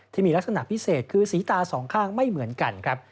ที่มีลักษณะพิเศษคือสีตาสองข้างไม่เหมือนกันครับ